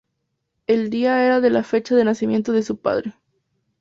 El día era el de la fecha de nacimiento de su padre.